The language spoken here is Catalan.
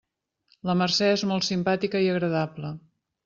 La Mercè és molt simpàtica i agradable.